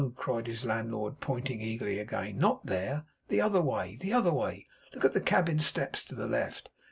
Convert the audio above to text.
cried his landlord, pointing eagerly again, 'not there. The other way; the other way. Look at the cabin steps. To the left.